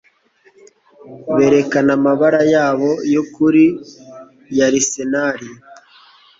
berekana amabara yabo yukuri ya arisenari